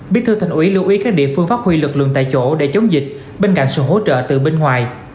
bí thư thành ủy lưu ý các địa phương phát huy lực lượng tại chỗ để chống dịch bên cạnh sự hỗ trợ từ bên ngoài